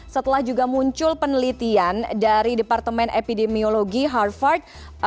setelah juga muncul penelitian dari departemen epidemiologi harvard